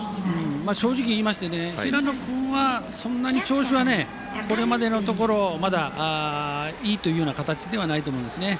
正直言いまして、平野君はそんなに調子はこれまでのところいいというような形ではないと思うんですね。